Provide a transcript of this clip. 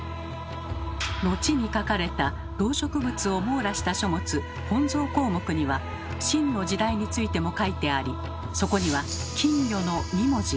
後に書かれた動植物を網羅した書物「本草綱目」には晋の時代についても書いてありそこには「金魚」の２文字が。